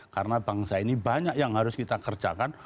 karena bangsa ini banyak yang harus kita kerjakan